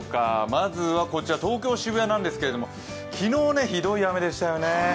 まずは東京・渋谷なんですけれども昨日、ひどい雨でしたよね。